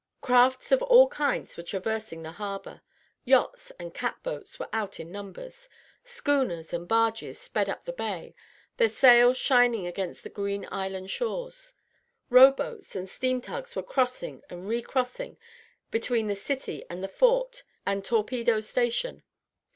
Crafts of all kinds were traversing the harbor: yachts and cat boats were out in numbers; schooners and barges sped up the bay, their sails shining against the green Island shores; row boats and steam tugs were crossing and recrossing between the city and the Fort and Torpedo Station.